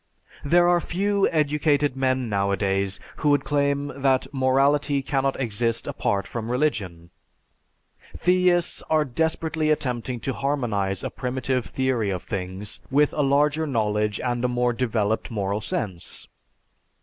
There are few educated men nowadays who would claim that morality cannot exist apart from religion. Theists are desperately attempting to harmonize a primitive theory of things, with a larger knowledge and a more developed moral sense.